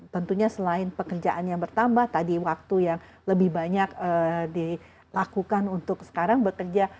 tentunya selain pekerjaan yang bertambah tadi waktu yang lebih banyak dilakukan untuk sekarang bekerja